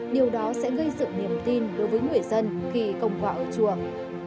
điều đó sẽ gây sự niềm tin đối với người dân khi công quả ở chuồng